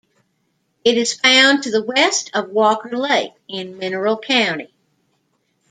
It is found to the west of Walker Lake in Mineral County.